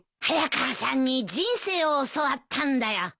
早川さんに人生を教わったんだよ。